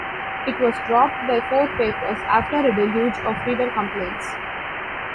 It was dropped by four papers after a deluge of reader complaints.